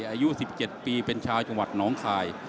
อายุ๑๗ปีเป็นชาวจังหวัดน้องคาย